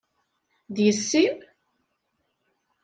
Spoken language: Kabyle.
D yessi-m?